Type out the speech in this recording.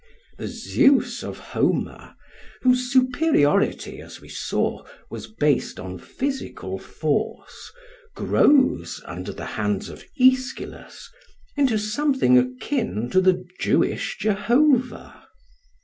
The Zeus of Homer, whose superiority, as we saw, was based on physical force, grows, under the hands of Aeschylus, into something akin to the Jewish Jehovah.